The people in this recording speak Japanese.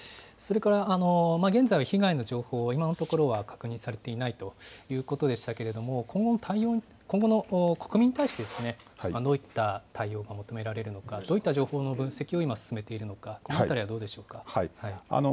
現在は被害の情報は今のところは確認されていないということでしたけれども今後の国民に対してどういった対応が求められるのか、どういった情報の分析を今、進めているのか、この辺りはどうでしょうか。